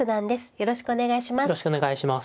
よろしくお願いします。